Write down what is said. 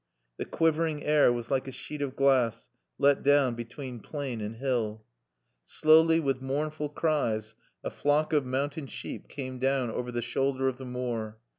The quivering air was like a sheet of glass let down between plain and hill. Slowly, with mournful cries, a flock of mountain sheep came down over the shoulder of the moor.